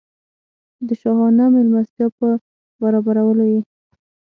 د شاهانه مېلمستیا په برابرولو یې.